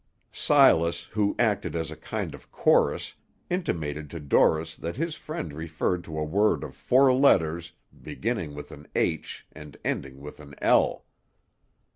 Silas, who acted as a kind of chorus, intimated to Dorris that his friend referred to a word of four letters beginning with an "h," and ending with an "l."